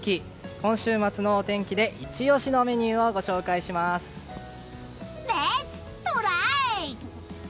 今週末のお天気でイチ押しのメニューをレッツトライ！